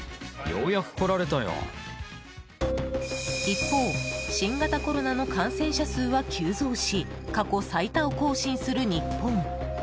一方新型コロナの感染者数は急増し過去最多を更新する日本。